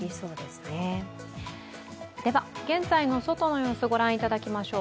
現在の外の様子を御覧いただきましょう。